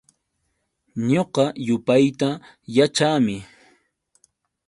Ñuqa yupayta yaćhaami.